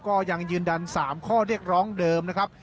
ก็ยังยืนยัน๓ข้อเรียกร้องเดิมนะครับ